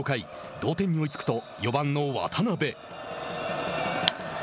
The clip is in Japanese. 同点に追いつくと４番の渡部。